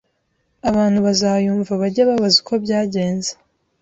abantu bazayumva bajye babaza uko byagenze”